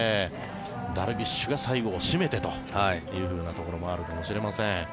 ダルビッシュが最後を締めてというふうなところもあるかもしれません。